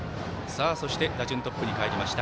そして打順トップにかえりました。